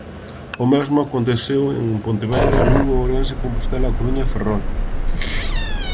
O mesmo aconteceu en Pontevedra, Lugo, Ourense, Compostela, A Coruña e Ferrol.